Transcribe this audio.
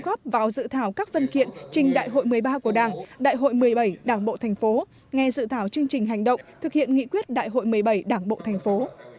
đại hội một mươi ba của đảng đại hội một mươi bảy đảng bộ thành phố nghe dự thảo chương trình hành động thực hiện nghị quyết đại hội một mươi bảy đảng bộ thành phố